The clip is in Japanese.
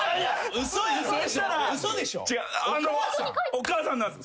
お母さんなんす。